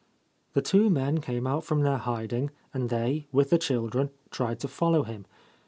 The two men came out from their hiding, and they, with the children, tried to follow him.